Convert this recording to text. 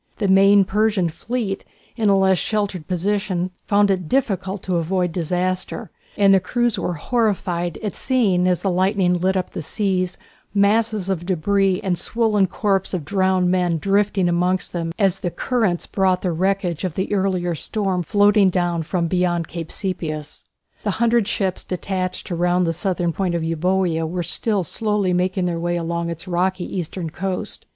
The main Persian fleet, in a less sheltered position, found it difficult to avoid disaster, and the crews were horrified at seeing as the lightning lit up the sea masses of debris and swollen corpses of drowned men drifting amongst them as the currents brought the wreckage of the earlier storm floating down from beyond Cape Sepias. The hundred ships detached to round the south point of Euboea were still slowly making their way along its rocky eastern coast.